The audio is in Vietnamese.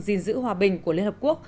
gìn giữ hòa bình của liên hợp quốc